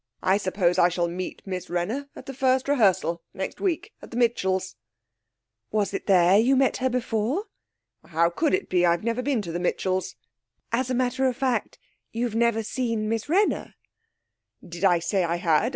I suppose I shall meet Miss Wrenner at the first rehearsal next week at the Mitchells.' 'Was it there you met her before?' 'How could it be? I have never been to the Mitchells.' 'As a matter of fact, you've never seen Miss Wrenner?' 'Did I say I had?